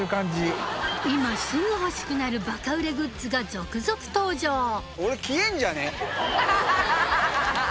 今すぐ欲しくなるバカ売れグッズが続々登場アハハハ！